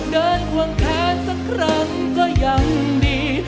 เดินห่วงแค้นสักครั้งก็ยังดี